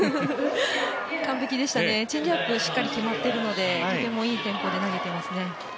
完璧でしたねチェンジアップしているのでとてもいいテンポで投げていますね。